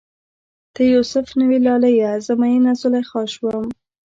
ته یو سف نه وی لالیه، زه میینه زلیخا شوم